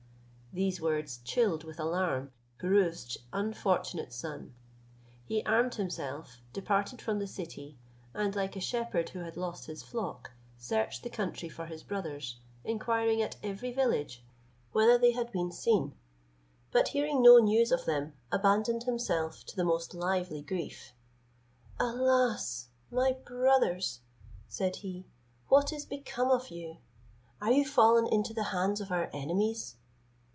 These words chilled with alarm Pirouzč's unfortunate son. He armed himself, departed from the city, and like a shepherd, who had lost his flock, searched the country for his brothers, inquiring at every village whether they had been seen: but hearing no news of them, abandoned himself to the most lively grief. "Alas! my brothers," said he, "what is become of you? Are you fallen into the hands of our enemies?